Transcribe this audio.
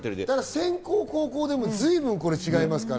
先攻後攻でも随分違いますから。